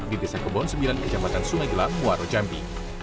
di desa kebon ix kejambatan sumedila muaro jambi